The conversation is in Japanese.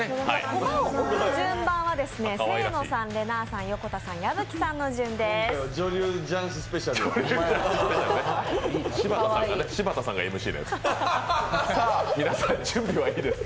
駒を置く順番は清野さん、守屋さん、横田さん、矢吹さんの順番です。